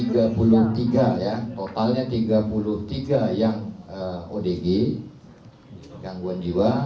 tiga puluh tiga ya totalnya tiga puluh tiga yang odg gangguan jiwa